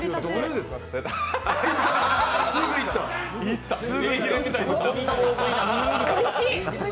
すぐいった。